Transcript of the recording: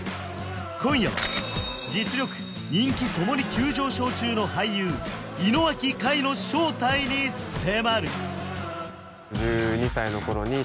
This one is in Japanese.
今夜は実力人気ともに急上昇中の俳優井之脇海の正体に迫る！